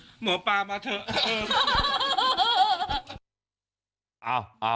หมอปลามาเถอะ